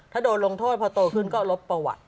ถ้าโดนลงโทษพอโตขึ้นก็ลบประวัติ